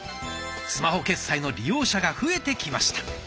スマホ決済の利用者が増えてきました。